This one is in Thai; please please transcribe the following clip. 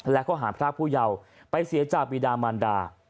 และข้อหาพระพู่เยาไปเสียจาวปีดามัณฑา